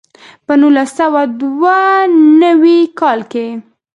په نولس سوه دوه نوي کال کې.